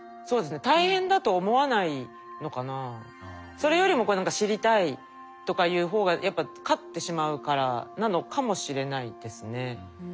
それよりもこう何か知りたいとかいう方がやっぱ勝ってしまうからなのかもしれないですね。